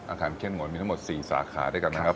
เข้มงวนมีทั้งหมด๔สาขาด้วยกันนะครับ